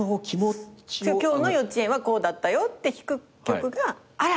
今日の幼稚園はこうだったよって弾く曲があら！